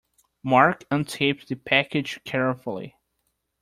Mark untaped the package carefully.